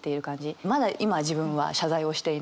まだ今自分は謝罪をしていない。